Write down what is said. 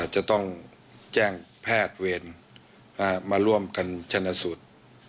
จะต้องแจ้งแพทธ์เวรมาร่วมกันชาณสุทธิ์